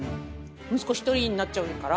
息子１人になっちゃうから。